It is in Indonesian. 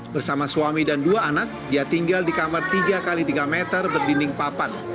bersama suami dan dua anak dia tinggal di kamar tiga x tiga meter berdinding papan